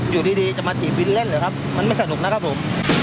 อยู่ดีจะมาถีบวินเล่นเหรอครับมันไม่สนุกนะครับผม